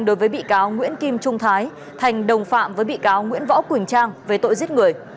đối với bị cáo nguyễn kim trung thái thành đồng phạm với bị cáo nguyễn võ quỳnh trang về tội giết người